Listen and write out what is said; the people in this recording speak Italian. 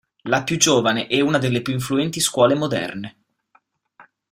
La più giovane e una delle più influenti scuole moderne.